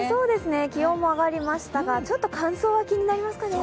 気温も上がりましたが、ちょっと乾燥は気になりますかね。